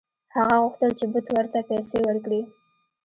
هغه غوښتل چې بت ورته پیسې ورکړي.